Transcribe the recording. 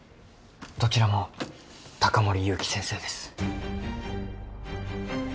どちらも高森勇気先生です。